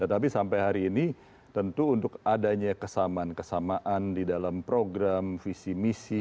tetapi sampai hari ini tentu untuk adanya kesamaan kesamaan di dalam program visi misi